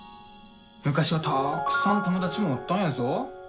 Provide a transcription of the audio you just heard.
昔はたくさん友達もおったんやぞ。